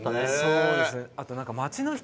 そうですね。